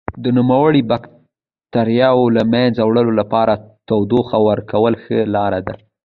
د نوموړو بکټریاوو له منځه وړلو لپاره تودوخه ورکول ښه لاره ده.